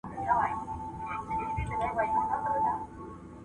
کمپيوټر فورمونه ډکوي.